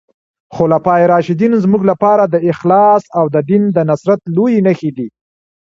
خلفای راشدین زموږ لپاره د اخلاص او د دین د نصرت لويې نښې دي.